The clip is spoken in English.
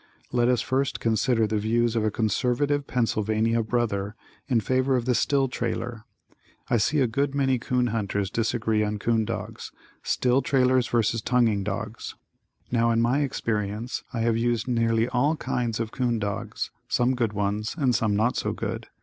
Let us first consider the views of a conservative Pennsylvania brother, in favor of the still trailer: I see a good many 'coon hunters disagree on 'coon dogs, still trailers vs. tongueing dogs. Now in my experience, I have used nearly all kinds of 'coon dogs, some good ones and some not so good.